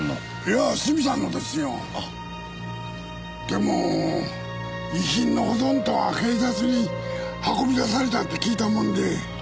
でも遺品のほとんどは警察に運び出されたって聞いたもんで。